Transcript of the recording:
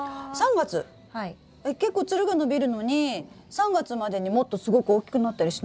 えっ結構つるが伸びるのに３月までにもっとすごく大きくなったりしないんですか？